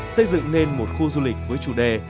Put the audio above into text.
xây dựng nên một khu du lịch với chủ đề